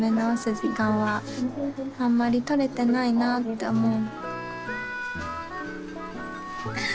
時間はあんまり取れてないなって思う。